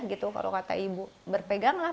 kalau kata ibu berpeganglah